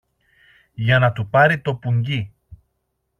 για να του πάρει το πουγγί